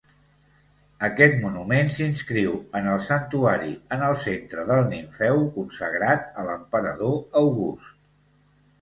Aquest monument s'inscriu en el santuari en el centre del Nimfeu consagrat a l'emperador August.